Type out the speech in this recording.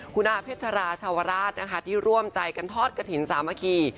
คุณอาเพชราชาวราชนะคะที่ร่วมใจกันทอดกระถิ่นสามัคคี